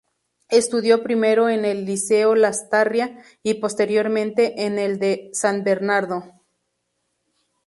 Estudió primero en el Liceo Lastarria y posteriormente en el de San Bernardo.